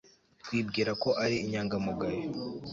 twibwira ko ari inyangamugayo